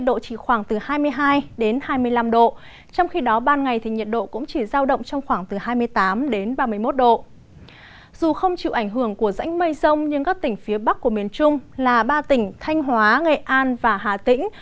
dù không chịu ảnh hưởng của rãnh mây rông nhưng các tỉnh phía bắc của miền trung là ba tỉnh thanh hóa nghệ an và hà tĩnh